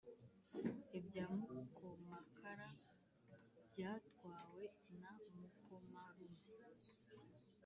ibya mukomakara byatwawe na mukomarume